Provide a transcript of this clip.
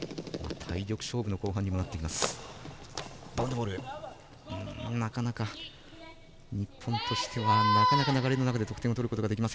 体力勝負の後半にもなってきます。